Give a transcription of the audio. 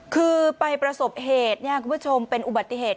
คือไปประสบเหตุคุณผู้ชมเป็นอุบัติเหตุ